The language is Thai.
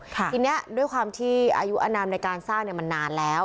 ค่ะทีเนี้ยด้วยความที่อายุอันนามในการสร้างเนี้ยมันนานแล้ว